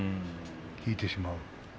引いてしまう。